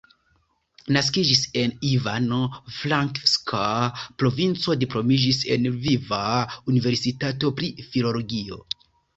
Naskiĝis en Ivano-Frankivska provinco, diplomiĝis en Lviva Universitato pri filologio.